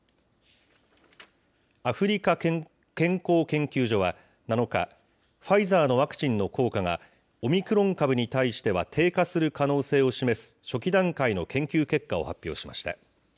アフリカ健康研究所は７日、ファイザーのワクチンの効果が、オミクロン株に対しては、低下する可能性を示す初期段階の研究結果を発表しました。